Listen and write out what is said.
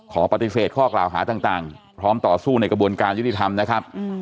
ขอปฏิเสธข้อกล่าวหาต่างพร้อมต่อสู้ในกระบวนการยุติธรรมนะครับ